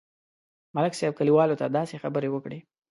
ملک صاحب کلیوالو ته داسې خبرې وکړې.